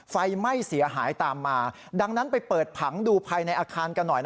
ไฟไหม้เสียหายตามมาดังนั้นไปเปิดผังดูภายในอาคารกันหน่อย